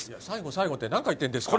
最後って何回言ってるんですか？